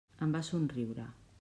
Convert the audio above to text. Em va somriure.